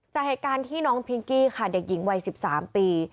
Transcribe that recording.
จากเหตุการณ์ที่น้องพิงกี้ค่ะเด็กหญิงวัย๑๓ปี